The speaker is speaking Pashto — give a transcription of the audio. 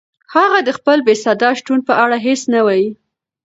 هغه د خپل بېصدا شتون په اړه هیڅ نه وایي.